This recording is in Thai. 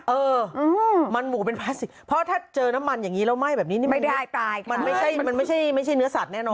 เออมันหมูเป็นพลาสติกเพราะถ้าเจอน้ำมันอย่างนี้แล้วไหม้แบบนี้นี่มันไม่ใช่มันไม่ใช่เนื้อสัตวแน่นอน